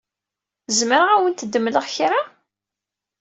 Zemreɣ ad awent-d-mleɣ kra?